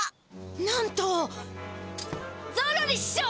なんとゾロリししょう！